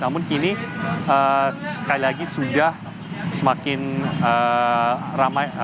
namun kini sekali lagi sudah semakin ramai